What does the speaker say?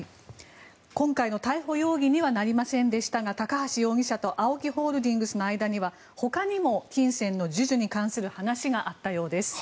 今回の逮捕容疑にはなりませんでしたが高橋容疑者とＡＯＫＩホールディングスの間にはほかにも金銭の授受に関する話があったようです。